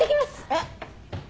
えっ！